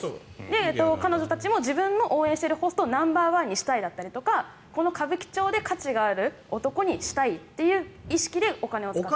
彼女たちも自分の応援しているホストをナンバーワンにしたいとかこの歌舞伎町で価値がある男にしたいという意識でお金を使っています。